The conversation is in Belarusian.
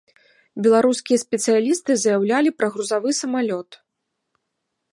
Беларускія спецыялісты заяўлялі пра грузавы самалёт.